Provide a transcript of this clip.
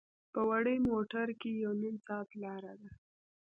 په وړې موټر کې یو نیم ساعت لاره ده.